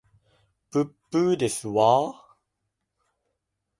ぶっぶーですわ